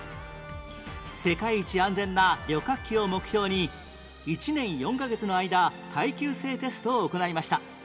「世界一安全な旅客機」を目標に１年４カ月の間耐久性テストを行いました